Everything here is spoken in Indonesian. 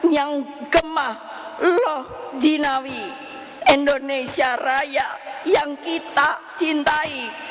yang kemah loh jinawi indonesia raya yang kita cintai